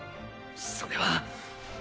それは。